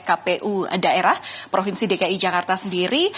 kpu daerah provinsi dki jakarta sendiri